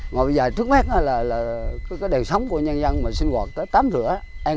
bây giờ trước mắt là đều sống của nhân dân mà sinh hoạt tới tám rửa